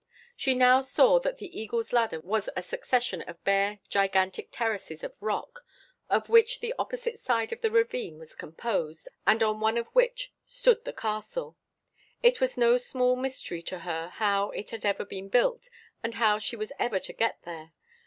She now saw that the Eagle's Ladder was a succession of bare gigantic terraces of rock, of which the opposite side of the ravine was composed, and on one of which stood the castle. It was no small mystery to her how it had ever been built, or how she was ever to get there.